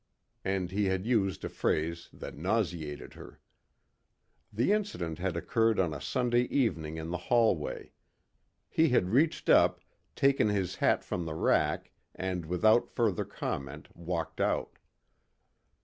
And he had used a phrase that nauseated her. The incident had occurred on a Sunday evening in the hallway. He had reached up, taken his hat from the rack and without further comment walked out.